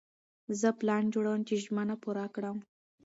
زه پلان جوړوم چې ژمنه پوره کړم.